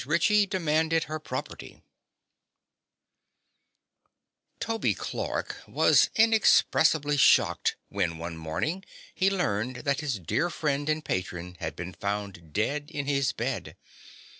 RITCHIE DEMANDED HER PROPERTY Toby Clark was inexpressibly shocked when one morning he learned that his dear friend and patron had been found dead in his bed.